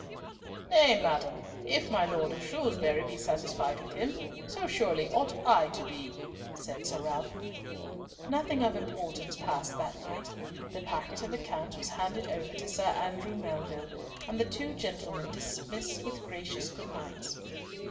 "Nay, madam, if my Lord of Shrewsbury be satisfied with him, so surely ought I to be," said Sir Ralf. Nothing more of importance passed that night. The packet of accounts was handed over to Sir Andrew Melville, and the two gentlemen dismissed with gracious good nights.